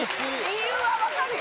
理由は分かるよ。